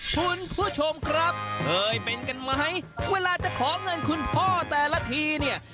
คุณผู้ชมครับเคยเป็นกันไหมเวลาจะขอเงินคุณพ่อแต่ละทีเนี่ย